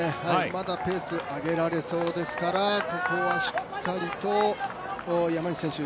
まだペース上げられそうですからここはしっかりと山西選手